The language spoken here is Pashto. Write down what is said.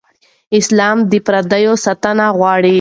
اسلام د پردې ساتنه غواړي.